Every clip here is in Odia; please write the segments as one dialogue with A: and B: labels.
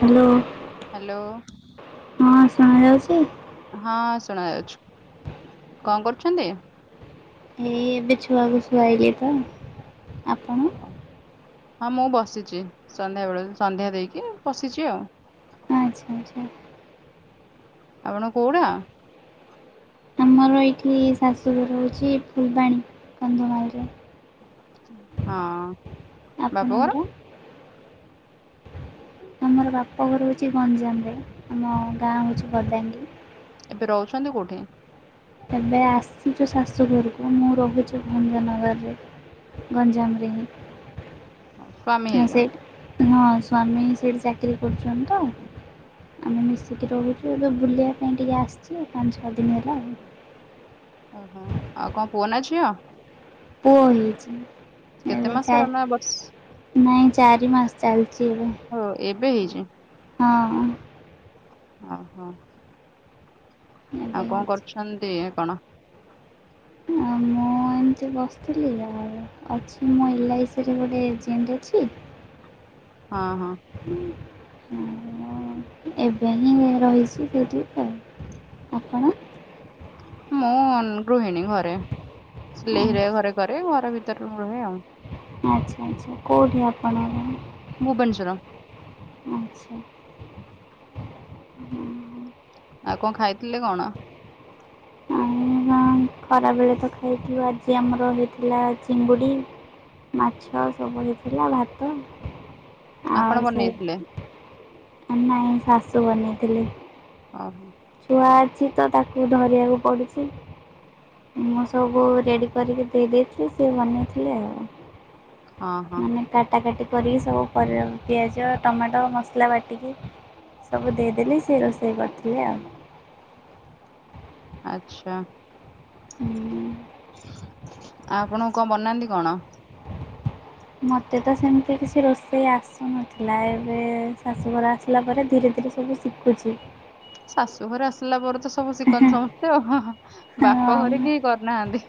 A: ହାଲୋ
B: ହ୍ୟାଲୋ
A: ହଁ ଶୁଣା ଯାଉଚି?
B: ହଁ ଶୁଣା ଯାଉଛୁ କଣ କରୁଚନ୍ତି?
A: ଏଇ ଏବେ ଛୁଆକୁ ଶୁଆଇଲି ପା ଆପଣ?
B: ହଁ ମୁଁ ବସିଛି ସନ୍ଧ୍ୟା ବେଳୁ ସନ୍ଧ୍ୟା ଦେଇକି ବସିଛି ଆଉ।
A: ଆଛା ଆଛା।
B: ଆପଣ କୋଉଡା
A: ଆମର ଏଇଠି ଶାଶୁୁ ଘର ହଉଛି ଫୁଲବାଣୀ କନ୍ଧମାଳରେ।
B: ହଁ ବାପଘର
A: ଆପଣଙ୍କର? ଆମର ବାପଘର ହଉଛି ଗଞ୍ଜାମରେ, ଆମ ଗାଁ ହଉଚି ବନ୍ଦାଗି
B: ଏବେ ରହୁଛନ୍ତି କୋଉଠେ?
A: ଏବେ ଆସିଛୁ ଶାଶୁଘରକୁ ମୁଁ ରହୁଛି ଭଞ୍ଜନଗରରେ। ଗଞ୍ଜାମରେ ହିଁ।
B: ହଁ ସ୍ଵାମୀ ହେରିକା।
A: ସେ ହଁ ସ୍ଵାମୀ ସେଇଠି ଚାକିରି କରୁଛନ୍ତି ତ। ଆମେ ମିଶିକି ରହୁଛୁ। ଏବେ ବୁଲିବା ପାଇଁ ଟିକେ ଆସିଚି। ପାଞ୍ଚ ଛଅ ଦିନ ହେଲା ଆଉ।
B: ଓହୋ ଆଉ କଣ ପୁଅ ନା ଝିଅ?
A: ପୁଅ ହେଇଚି।
B: କେତେ
A: ଏବେ
B: ମାସର
A: ଚାର୍
B: ନା ବର୍ଷ?
A: ନାଇଁ ଚାରି ମାସ୍ ଚାଲିଚି ଏବେ।
B: ଓ ଏବେ ହେଇଚି।
A: ହଁଅଁ।
B: ଅହୋ।
A: ଏବେ
B: ଆଉ କଣ
A: ହେଇଛି।
B: କରୁଛନ୍ତି ଆପଣ?
A: ଆମ ଏମିତି ବସିଥିଲି। ଆଉ ଅଛି ମୁଁ ଏଲ୍ ଆଇ ସି ରେ ଗୋଟେ ଏଜେଣ୍ଟ ଅଛି।
B: ଅଁହଁ।
A: ଉଁ ଏବେ ହିଁ ଏ ରହିଛି ସେଠିଇ ତ। ଆପଣ?
B: ମୁଁ ଗୃହିଣୀ ଘରେ ସିଲେଇ ହେରିକା ଘରେ କରେ। ଘର ଭିତରେ ମୁଁ ରୁହେ ଆଉ।
A: ଆଚ୍ଛା ଆଚ୍ଛା କୋଉଠି ଆପଣଙ୍କ ଗାଁ?
B: ଭୁବନେଶ୍ୱର।
A: ଆଚ୍ଛା। ହଁ।
B: ଆଉ କଣ୍ ଖାଇଥିଲେ କଣ?
A: ଉଁ କଣ ଖରାବେଳେ ତ ଖାଇଥିଲି ଆଜି ଆମର ହେଇଥିଲା ଚିଙ୍ଗୁଡ଼ି। ମାଛ ସବୁ ହେଇଥିଲା ଭାତ।
B: ଆପଣ
A: ଆଉ ସେ
B: ବନେଇଥିଲେ
A: ନାଇଁ ଶାଶୁ ବନେଇଥିଲେ।
B: ଅହ।
A: ଛୁଆ ଅଛି ତ ତାକୁ ଧରିଆକୁ ପଡୁଚି। ମୁଁ ସବୁ ବୋଉକୁ ରେଡ଼ି କରିକି ଦେଇ ଦେଇଥିଲି ସିଏ ବନେଇଥିଲେ ଆଉ।
B: ହଁ ହଁ
A: ମାନେ ତା କଟାକଟି କରିକି ସବୁ ପରିବା, ପିଆଜ, ଟମାଟ, ମସଲା ବାଟିକି। ସବୁ ଦେଇଦେଲି ସେ ରୋଷେଇ କରିଥିଲେ ଆଉ।
B: ଆଚ୍ଛା।
A: ହୁଁ।
B: ଆପଣ କଣ ବନାନ୍ତି କଣ?
A: ମତେ ତ ସେମିତି କିଛି ରୋଷେଇ ଆସୁନଥିଲା। ଏବେ ଶାଶୁଘର ଆସିଲା ପରେ ଧୀରେ ଧୀରେ ସବୁ ଶିକ କିଚି।
B: ଶାଶୁ ଘରେ ଆସିଲା ପରେ ତ ସବୁ ଶିକନ୍ତି ସମସ୍ତେ ହୁଁ ହୁଁ ବାପ ଘରେ କେହି କରିନାହାନ୍ତି।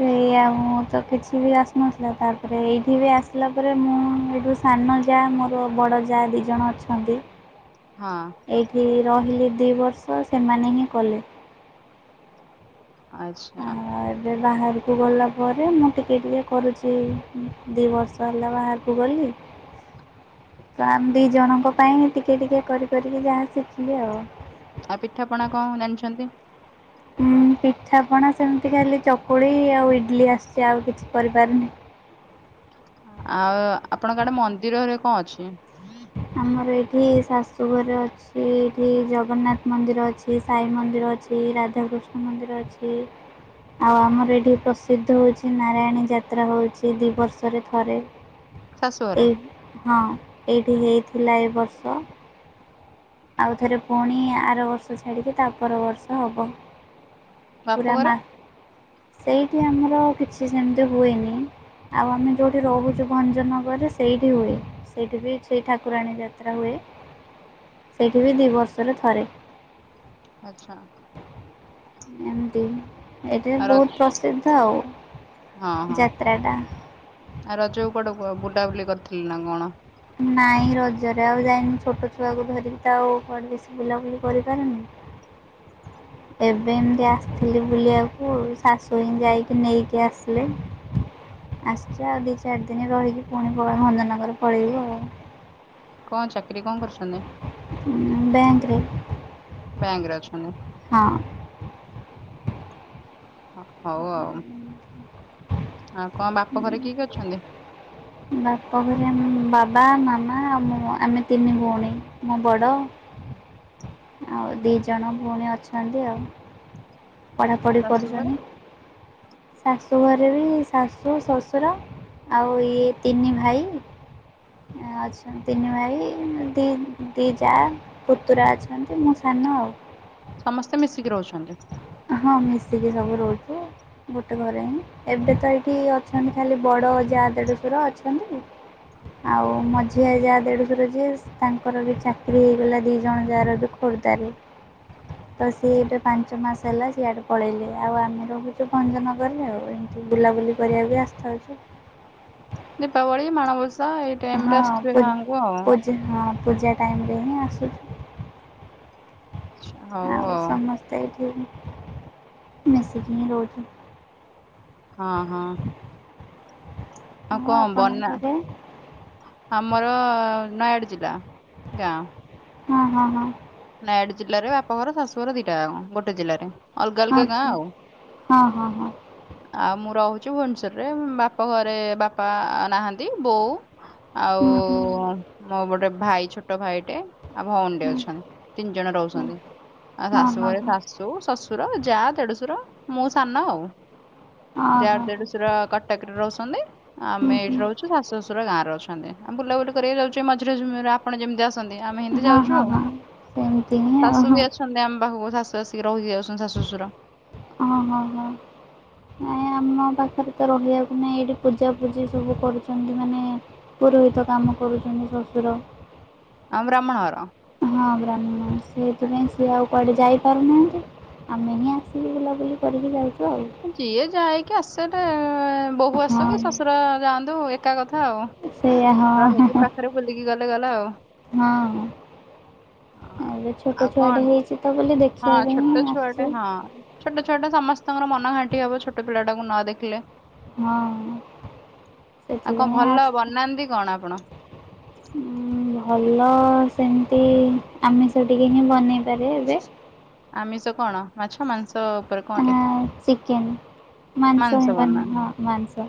A: ସେଇ ଆଉ ମୋତେ କିଛି ବି ଆସୁନଥିଲା। ତାପରେ ଏଇଠି ବି ଆସିଲା ପରେ ମୁଁ ଏଇଠୁ ସାନ ଯା ମୋର ବଡ଼ ଯା ଦିଜଣ ଅଛନ୍ତି।
B: ହଁ।
A: ଏଇଠି ରହିଲି ଦି ବର୍ଷ ସେମାନେ ହିଁ କଲେ।
B: ଆଚ୍ଛା।
A: ଆଉ ଏବେ ବାହାରକୁ ଗଲା ପରେ ମୁଁ ଟିକିଏ ଟିକିଏ କରୁଚି। ଦି ବର ସଇଲା ବାହାରକୁ ଗଲି। ତ ଆମ୍ ଦି ଜଣଙ୍କ ପାଇଁ ଟିକେ ଟିକେ କରି କରିକି ଯାହା ଶିଖିଲି ଆଉ।
B: ଆଉ ପିଠାପଣା କଣ ଜାଣିଛନ୍ତି?
A: ଉଁ ପିଠାପଣା ସେମିତି ଖାଲି ଚକୁଳି ଆଉ ଇଟିଲି ଆସୁଚି। ଆଉ କିଛି କରିପାରୁନି।
B: ଆଉ ଆପଣଙ୍କ ଆଡେ ମନ୍ଦିରରେ କଣ ଅଛି।
A: ଆମର ଏଇଠି ଶାଶୁଘରେ ଅ ଛି ଏଇଠି ଜଗନ୍ନାଥ ମନ୍ଦିର ଅଛି ସାଇ ମନ୍ଦିର ଅଛି ରାଧାକୃଷ୍ଣ ମନ୍ଦିର ଅଛି। ଆଉ ଆମର ଏଇଠି ପ୍ରସିଦ୍ଧ ହୋଉଛି ନାରାୟଣୀ ଯାତ୍ରା ହୋଉଛି ଦି ବର୍ଷରେ ଥରେ।
B: ଶାଶୁ ଘରେ
A: ଏ ହଁ ଏଇଠି ହେଇଥିଲା ଏ ବର୍ଷ। ଆଉଥରେ ପୁଣି ଆର ବର୍ଷ ଛାଡ଼ିକି ତା ପର ବର୍ଷ ହବ।
B: ବାପ
A: ପୁରା
B: ଘରେ
A: ମା ସେଇଠି ଆମର କିଛି ସେମତି ହୁଏନି। ଆଉ ଆମେ ଯୋଉଠି ରହୁଚି ଭଞ୍ଜନଗରରେ ସେଇଠି ହୁଏ। ସେଇଠି ବି ସେଇ ଠାକୁରାଣୀ ଯାତ୍ରା ହୁଏ। ସେଇଠି ବି ଦି ବର୍ଷରେ ଥରେ
B: ଆଚ୍ଛା।
A: ଏମତି ଏଇଠି
B: ଆଉ ରଜ
A: ବୋହୁତ ପ୍ରସିଦ୍ଧ ଆଉ।
B: ହଁ ହଁ
A: ଯାତ୍ରାଟା।
B: ଆଉ ରଜକୁ କୁଆଡ଼େ ବ ବୁଲାବୁଲି କରଥିଲେ ନା କଣ?
A: ନାଇଁ ରଜରେ ଆଉ ଯାଇନି ଛୋଟ ଛୁଆକୁ ଧରିକି ତ ଆଉ କୁଆଡ଼େ ବେଶୀ ବୁଲାବୁଲି କରିପାରୁନି। ଏବେ ଏମିତି ଆସିଥିଲି ବୁଲିବାକୁ ଶାଶୁ ହିଁ ଯାଇକି ନେଇକି ଆସିଲେ। ଆସଚ ଆଉ ଦିଚାରି ଦିନି ରହିକି ପୁଣି ଭଞ୍ଜନଗର ପଳେଇବ ଆଉ।
B: କଣ ଚାକିରି କଣ କରିଚନ୍ତି?
A: ବ୍ୟାଙ୍କରେ।
B: ବ୍ୟାଙ୍କରେ ଅଛନ୍ତି।
A: ହଁ।
B: ହ ହୋଉ ଆଉ ଆଉ କଣ ବାପଘରେ କିଏ କିଏ ଅଛନ୍ତି।
A: ବାପଘରେ ଆମେ ବାବା, ମାମା, ଆମ ଆମେ ତିନି ଭୋଉଣୀ ମୁଁ ବଡ। ଆଉ ଦି ଜଣ ଭୋଉଣୀ ଅଛନ୍ତି ଆଉ ପଢାପଢି
B: ଶାଶୁ
A: କରୁଚନ୍ତି।
B: [unintelligible]
A: ଶାଶୁଘରେ ବି ଶାଶୁ, ଶଶୁର, ଆଉ ଇଏ ତିନି ଭାଇ। ଆ ଅଛନ୍ତି ତିନି ଭାଇ ଦି ଦି ଯା ପୁତୁରା ଅଛ ନ୍ତି ମୁଁ ସାନ ଆଉ।
B: ସମସ୍ତେ ମିଶିକି ରହୁଛନ୍ତି?
A: ହଁ ମିଶିକି ସବୁ ରହୁଚୁ। ଗୋଟେ ଘରେ ହିଁ ଏବେ ତ ଏଇଠି ଅଛନ୍ତି ଖାଲି ବଡ଼ ଯା ଦେଢ଼ଶୁର ଅଛନ୍ତି। ଆଉ ମଝିଆ ଯାଆ ଦେଡ଼ଶୁର ଯିଏ ତାଙ୍କର ବି ଚାକିରି ହେଇଗଲା ଦି ଜଣ ଯାଆର ବି ଖୋର୍ଦ୍ଧାରେ।
B: [unintelligible]
A: ତ ସିଏ ଏବେ ପାଞ୍ଚ ମାସ୍ ହେଲା ସିଆଡ଼େ ପଳେଇଲେ ଆଉ ଆମେ ରହୁଚୁ ଭଞ୍ଜନଗରରେ ଆଉ ଏମତି ବୁଲାବୁଲି କରିବାକୁ ଆସିଥାଉଚୁ।
B: ଦୀପାବଳି ମାଣବସା ଏ
A: ହଁ ପୂ-ପୂଜ ହଁ ପୂଜା ଟାଇମରେ ହିଁ ଆସୁଚି। ଆଉ ସମସ୍ତେ ଏଠି ମିଶିକି ହିଁ ରହୁଚୁ।
B: ହଁ ହଁ। ଆଉ କଣ
A: ଆପଣଙ୍କ
B: ବନା
A: ଘରେ
B: ଆମର ନୟାଗଡ଼ ଜିଲ୍ଲା ଗାଁ।
A: ହଁ ହଁ ହଁ।
B: ନୟାଗଡ ଜିଲ୍ଲାରେ ବାପଘର ଶାଶୁଘର ଦିଟା ଯାକ ଗୋଟେ ଜିଲ୍ଲାରେ। ଅଲଗା ଅଲଗା
A: ଆଚ୍ଛା
B: ଗାଁ ଆଉ।
A: ହଁ ହଁ ହଁ
B: ଆଉ ମୁଁ ରହୁଚି ଭୁବନେଶ୍ୱରରେ ବାପ ଘରେ ବାପା ନାହାନ୍ତି ବୋଉ ଆଉ
A: ହୁଁ ହୁଁ
B: ମୋ ଗୋଟେ ଭାଇ ଛୋଟ ଭାଇଟେ ଆଉ ଭୋଉଣୀଟେ
A: ହୁଁ
B: ଅଛନ୍ତି। ତିନି ଜଣ
A: ହୁଁ
B: ରହୁଛନ୍ତି ଆଉ
A: ହଁ
B: ଶାଶୁ
A: ହଁ
B: ଘରେ
A: ହଁ
B: ଶାଶ୍ ଶାଶୁ, ଶଶୁର, ଯା, ଦେଢଶୁର ମୁଁ ସାନ ଆଉ।
A: ହଁ
B: ଯାଆ
A: ହଁ
B: ଦେଢଶୁର କଟକରେ ରହୁଛନ୍ତି ଆ
A: ହୁଁ
B: ଆମେ ଏଇଠି
A: ହୁଁ
B: ରହୁଚୁ। ଶାଶୁ ଶଶୁର ଗାଁରେ ଅଛନ୍ତି ଆମ ବୁଲାବୁଲି କରିବାକୁ ଯାଉଛୁ ଏଇ ମଝିରେ ଯେମ ରେ ଆପଣ ଯେମିତି ଆସ୍ ଚନ୍ତି ଆମେ ହେମିତି
A: ହଁ ହଁ
B: ଯାଉଚୁ ଆଉ।
A: ହଁ ସେମିତି ହିଁ ଆଉ
B: ଶାଶୁ
A: ହଁ
B: ବି ଆସନ୍ତି ଆମ ପାଖକୁ ଶାଶୁ ଆସିକି ରହିକି ଯାଉଛନ୍ତି ଶାଶୁ ଶଶୁର।
A: ଓହୋ ହୋ ହୋ। ନାଇଁ ଆମ ପାଖରେ ତ ରହିବାକୁ ନାଇଁ ଏଇଠି ପୂଜା ପୂଜି ସବୁ କରୁଛନ୍ତି ମାନେ ପୁରୋହିତ କାମ କରୁଛନ୍ତି ଶ୍ୱଶୁର।
B: ଆମ ବ୍ରାହ୍ମଣ ହର।
A: ହଁ ବ୍ରାହ୍ମଣ ସେଥିପାଇଁ ସେ ଆଉ କୁଆଡ଼େ ଯାଇପାରୁନାହାନ୍ତି ଆମେ ହିଁ ଆସିକି ବୁଲାବୁଲି କରିକି ଯାଉଛୁ ଆଉ।
B: ଯିଏ ଯାଇକି ଆସେ ଟା ବୋହୂ ଆସୁ କି
A: ହଁ
B: ଶ୍ୱଶୁର ଯାଆନ୍ତୁ। ଏ ଏକା କଥା ଆଉ
A: ସେଇଆ ହଁ
B: ରହିକି ପାଖରେ ବୁଲିକି ଗଲେ ଗଲା ଆଉ।
A: ହଁ ଏବେ ଛୋଟ
B: ଆଉ
A: ଛୁଆ
B: କଣ
A: ଟେ ହେଇଛି ତ ବୋଲି ଦେ
B: ହଁ ଛୋଟ ଛୁଆଟେ ହଁ। ଛୋଟ ଛୁଆଟା ସମସ୍ତଙ୍କର ମନ ଘାଣ୍ଟି ହବ ଛୋଟ ପିଲାଟାକୁ ନ ଦେଖିଲେ।
A: ହଁ
B: ଆଉ କଣ
A: ସେଥିପାଇଁ
B: ଭଲ
A: ଆସିଛି।
B: ବନାନ୍ତି କଣ ଆପଣ?
A: ଭଲ ସେମିତି ଆମିଷ ଟିକି ହିଁ ବନେଇପାରେ ଏବେ।
B: ଆମିଷ କଣ ମାଛ ମାଂସ? ଉପରେ କଣଟେ
A: ଚିକେନ୍ ମାଂସ ହେବନି ହଁ ମାଂସ।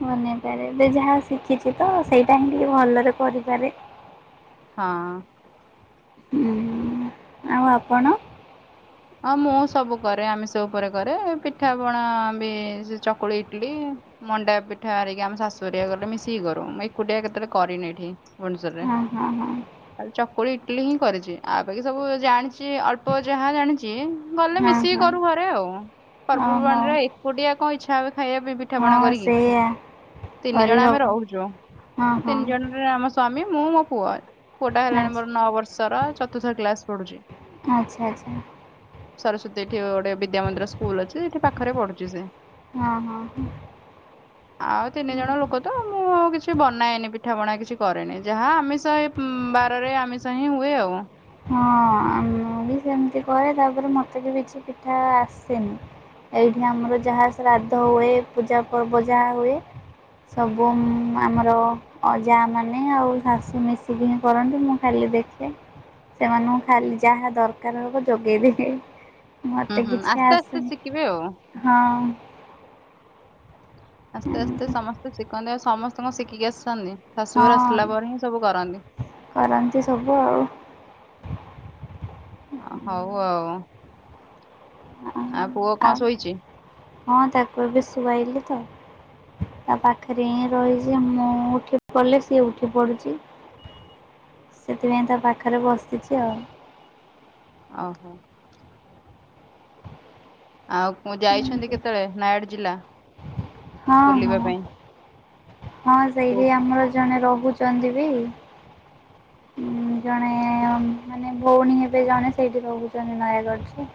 A: ବନେଇପାରେ ଯାହା ଶିଖିଛି ତ ସେଇଟା ହିଁ ଟିକେ ଭଲରେ କରିପାରେ।
B: ହଁ।
A: ଆଉ ଆପଣ?
B: ହଁ ମୁଁ ସବୁ କରେ ଆମିଷ ଉପରେ କରେ ପିଠା ପଣା ବି ସେ ଚକୁଳି ଇଟିଲି। ମଣ୍ଡା ପିଠା ହେରିକି ଆମ ଶାଶୁହେରୀକା କଲେ ମିଶିକି କରୁ ମୁଁ ଏକୁଟିଆ କେତେଳେ କରିନି ଏଠି। ଭୋନଶ୍ୱରରେ
A: ହଁ ହଁ ହଁ
B: ଚକୁଳି ଇଟିଲି ହିଁ କରିଛି ଆବାକି ସବୁ ଜାଣିଛି। ସେ ଅଳ୍ପ ଯାହା ଜାଣିଛି ଗଲେ
A: ହଁ
B: ମିଶିକି
A: ହଁ
B: କରୁ ଘରେ ଆଉ
A: ହଁ ହଉ
B: ପର୍ବପର୍ବାଣିରେ। ଏକୁଟିଆ କଣ ଇଛା ହେବ ଖାଇବା ପାଇଁ। ପି
A: ହଁ ସେଇଆ।
B: ତିନି ଜଣ ଆମେ
A: କରିହବନି।
B: ରହୁଛୁ
A: ହଁ ହଁ
B: ତିନି ଜଣରେ ଆମ ସ୍ଵାମୀ ମୁଁ ମୋ ପୁଅ। ପୁଅ ଟା ହେଲାଣି
A: ଆଚ୍ଛା
B: ମୋର ନଅ ବର୍ଷର ଚତୁର୍ଥ କ୍ଲାସ ପଢୁଛି।
A: ଆଚ୍ଛା ଆଚ୍ଛା।
B: ସରସ୍ଵତୀ ଏଠି ଗୋଟେ ବିଦ୍ୟ ମନ୍ଦିର ସ୍କୁଲ ଅଛି ସେଠି ପାଖରେ ପଢୁଛି ସେ।
A: ହଁ
B: ଆଉ ତିନି
A: ହଁ।
B: ଜଣ ଲୋକ ତ ମୁଁ କିଛି ବନାଏନି ପିଠା ପଣା କିଛି କରେନି ଯାହା ଆମିଷ ବାରରେ ଆମିଷ। ସେହି ହୁଏ ଆଉ।
A: ହଁ ମୁଁ ବି ସେମିତି କରେ ତାପରେ ମତେ ବି କିଛି ପିଠା ଆସେନି। ଏଇଠି ଆମର ଯାହା ଶ୍ରାଦ୍ଧ ହୁଏ ପୂଜା ପର୍ବ ଯାହା ହୁଏ। ସବୁ ମୁଁ ଆମର ଅ ଯା ମାନେ ଆଉ ଶାଶୁ ମିଶିକି ହିଁ କରନ୍ତିୁ ମୁଁ ଖାଲି ଦେଖେ। ସେମାନଙ୍କୁ ଖାଲି ଯାହା ଦରକାର ହବ ଯୋଗେଇଦିଏ।
B: ହୁଁ
A: ମତେ
B: ହୁଁ
A: କିଛି
B: ଆସ୍ତେ ଆସ୍ତେ
A: ଆସେନି।
B: ଶିଖିବେ ଆଉ।
A: ହଁ।
B: ଆସ୍ତେ ଆସ୍ତେ
A: ଏମିତି
B: ସମସ୍ତେ ଶିକନ୍ତି ଆଉ ସମସ୍ତଙ୍କ କଣ ଶିଖିକି ଆସନ୍ତି ଶାଶୁଘରେ
A: ହଁ
B: ଆସିଲା ପରେ ହିଁ ସବୁ କରନ୍ତି।
A: କରନ୍ତି ସବୁ ଆଉ।
B: ଅ ହଉ ଆଉ। ପୁଅ କଣ
A: ଆଉ
B: ଶୋଇଛି
A: ହଁ ତାକୁ ଏବେ ଶୁଆଇଲି ତ। ତା ପାଖରେ ହିଁ ରହିଛି ମୁଁ ଉଠି ପଡ଼ିଲେ ସିଏ ଉଠି ପଡୁଛି। ସେଥିପାଇଁ ତା ପାଖରେ ବସିଛି ଆଉ।
B: ଓହୋ। ଆଉ ଯାଇଛନ୍ତି
A: ଏମିତି
B: କେତେଳେ ନାୟଗଡ଼ ଜିଲ୍ଲା
A: ହଁ
B: ବୁଲିବା
A: ହଁ।
B: ପାଇଁ।
A: ହଁ
B: କୋଉ
A: ସେଇଠି ଆମର ଜଣେ ରହୁଛନ୍ତି ବି। ଜଣେ ମାନେ ଭଉଣୀ ହେବେ ଜଣେ ସେଇଠି ରହୁଛନ୍ତି ନୟାଗଡ଼ରେ।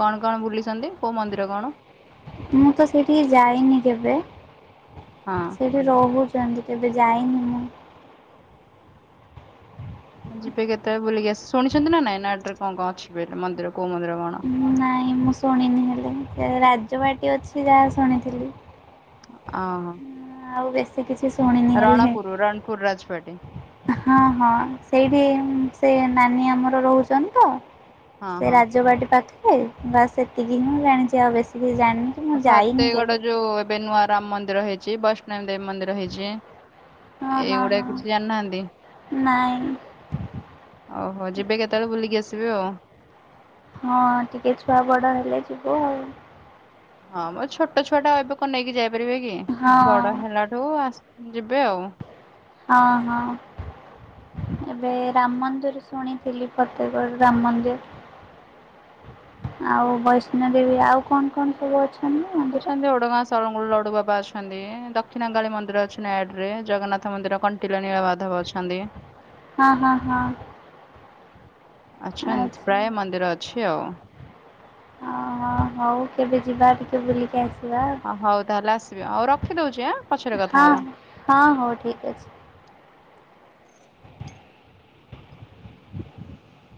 B: କଣ କଣ ବୁଲିଛନ୍ତି କୋଉ ମନ୍ଦିର କଣ?
A: ମୁଁ ତ ସେଇଠିକି ଯାଇନି କେବେ
B: ହଁ।
A: ସେ ରହୁଛନ୍ତି କେବେ ଯାଇନି ମୁଁ
B: ଯିବେ କେତେ ବୁଲିକୀ ଆସ ଶୁଣିଛନ୍ତି ନାଁ ନାଇଁ ନେଟ୍ ରେ କଣ କଣ ଅଛି ବେଲି ମନ୍ଦିର କୋଉ ମନ୍ଦିର କଣ?
A: ନାହିଁ ମୁ ସୁଣିନି ହେଲେ ରାଜବାଟି ଅଛି ଯାହା ଶୁଣିଥିଲି।
B: ଆ ହୋ।
A: ଆଉ ବେଶୀ କିଛି ଶୁଣିନି ହେଲେ
B: ରଣପୁର ରାଜବାଟୀ
A: ହଁ ହଁ ସେଇଠି ସେ ନାନୀ ଆମର ରହୁଛନ୍ତିତ।
B: ହଁ
A: ସେ
B: ହଁ।
A: ରାଜବାଟି ପାଖେରେ ବାସ୍ ଏତିକି ମୁଁ ଜାଣିଛି ଆଉ ବେଶୀ କିଛି ଜାଣିନି। କି ମୁଁ ଯାଇନି
B: ଫତେଗଡ଼
A: କେବେ।
B: ଯୋଉ ଏବେ ନୂଆ ରାମ ମନ୍ଦିର ହେଇଛି। ବୈଷ୍ଣବୀ ଦେବୀ ମନ୍ଦିର ହେଇଛି।
A: ହଁ ହଁ
B: ଏଇଗୁଡ଼ା
A: ହଁ
B: କିଛି ଜାଣିନାହାନ୍ତି।
A: ନାଇଁ
B: ଓ ହୋଉ ଯିବେ କେତେବେଳେ ବୁଲିକି ଆସିବେ ଆଉ।
A: ହଁ ଟିକେ ଛୁଆ ବଡ଼ ହେଲେ ଯିବୁ ଆଉ।
B: ହଁ ମ ଛୋଟ ଛୁଆ ଟା ଏବେ କଣ ନେଇକି ଯାଇପାରିବେ କି ବଡ଼
A: ହଁ।
B: ହେଲାଠୁ ଅସ ଯିବେ ଆଉ।
A: ହଁ ହଁ। ଏବେ ରାମ ମନ୍ଦିର ଶୁଣିଥିଲି ଫତେକଗଡ଼ ରାମ ମନ୍ଦିର। ଆଉ ବୈଷ୍ଣ ଦେବୀ ଆଉ କଣ କଣ? ସବୁ ଅଛନ୍ତି ନା।
B: ଅଛନ୍ତି ଉଡ଼ଙ୍ଗାସ୍ ତରଙ୍ଗୁରୁ ଲଡୁ ବାବା ଅଛନ୍ତି ଦକ୍ଷିଣକାଳି ମନ୍ଦିର ଅଛିନେଟ୍ ରେ ଜଗନ୍ନାଥ ମନ୍ଦିର କଣ୍ କେଲାଣି ଆଉମାଧବ ଅଛନ୍ତି।
A: ହଁ ହଁ ହଁ।
B: ଅଛନ୍
A: ଆଚ୍ଛା।
B: ପ୍ରାୟ ମନ୍ଦିର ଅଛି ଆଉ।
A: ଓହୋ ହଉ କେବେ ଯିବା ଟିକେ ବୁଲିକି ଆସ
B: ହ ହଉ ତାହେଲେ ଆସିବେ ଆଉ ରଖିଦଉଛି ଆ ପଛରେ କଥା
A: ହଁ
B: ହବା।
A: ହଁ ହଉ ଠିକ ଅଛି। [inaudible]